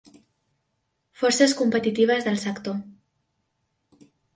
Forces competitives del sector.